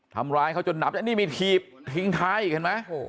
ทำร้ายเขาจนนับนี่มีทีบทิ้งท้ายเห็นไหม